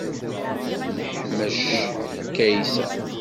Neḥmec Kaysa.